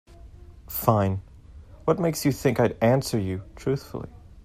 Fine, what makes you think I'd answer you truthfully?